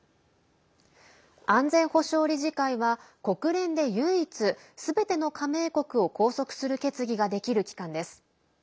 安全保障理事会は、国連で唯一すべての加盟国を拘束する決議ができる機関です。